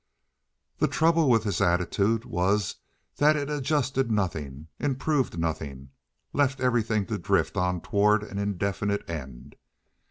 The trouble with this attitude was that it adjusted nothing, improved nothing, left everything to drift on toward an indefinite end.